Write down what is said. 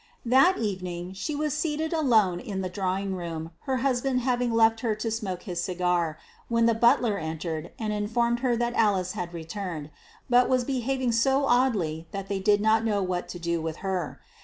That evening she was seated alone in the drawing room, her husband having left her to smoke his cigar, when the butler entered and informed her that Alice had returned, but was behaving so oddly that they did not know what to do with her.